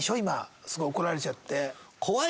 今すごい怒られちゃって。